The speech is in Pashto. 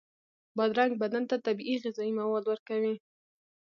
بادرنګ بدن ته طبیعي غذایي مواد ورکوي.